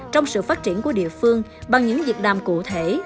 trong sự phát triển của địa phương bằng những việc đàm cụ thể